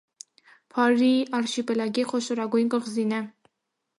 Փարրիի արշիպելագի խոշորագույն կղզին է։